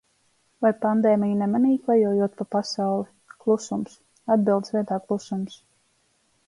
Vai pandēmiju nemanīji, klejojot pa pasauli? Klusums, atbildes vietā klusums.